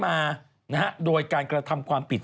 ในการกระทำความผิดซึ่งได้มาโดยการกระทำความผิด